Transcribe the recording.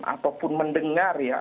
ataupun mendengar ya